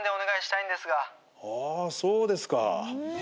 あそうですか。